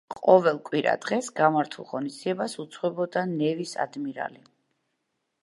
ყოველ კვირა დღეს გამართულ ღონისძიებას უძღვებოდა ნევის ადმირალი.